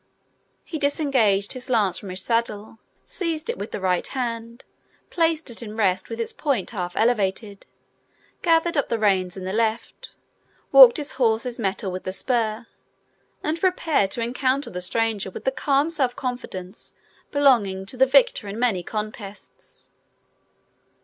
He disengaged his lance from his saddle, seized it with the right hand, placed it in rest with its point half elevated, gathered up the reins in the left, waked his horse's mettle with the spur, and prepared to encounter the stranger with the calm self confidence belonging to the victor in many contests.